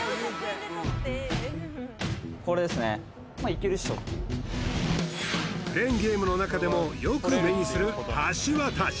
まずはクレーンゲームのなかでもよく目にする橋渡し